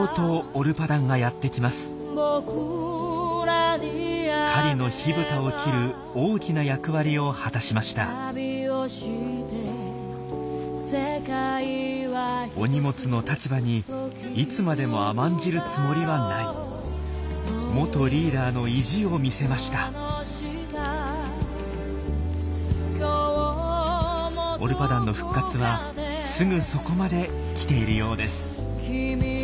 オルパダンの復活はすぐそこまで来ているようです。